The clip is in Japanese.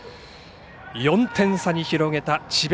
４点差に広げた智弁